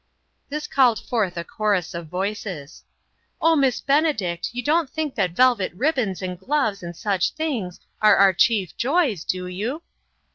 This called forth a chorus of voices: " O, Miss Benedict, you don't think that velvet ribbons, and gloves, and such things, are our chief joys, do you?"